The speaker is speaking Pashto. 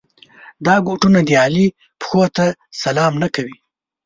دا بوټونه د علي پښو ته سلام نه کوي.